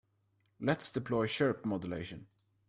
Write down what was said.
Let's deploy chirp modulation.